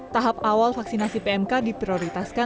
tahap awal vaksinasi pmk diprioritaskan